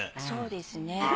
そうですね。